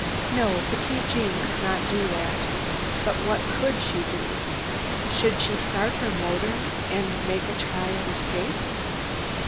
No, Petite Jeanne could not do that. But what could she do? Should she start her motor and make a try at escape?